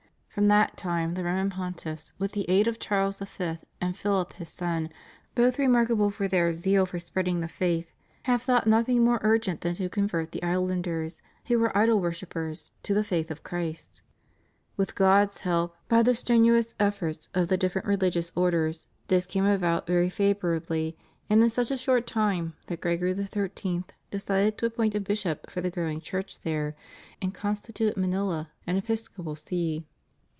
From that time the Roman Pontiffs, with the aid of Charles V. and Philip his son, both remarkable for their zeal for spreading the faith, have thought nothing more urgent than to convert the islanders, who were idol wor shippers, to the faith of Christ. With God's help, by the strenuous efforts of the members of different religious orders, this came about very favorably and in such a short time that Gregory XIII. decided to appoint a bishop for the growing Church there, and constituted Manila an Episcopal See.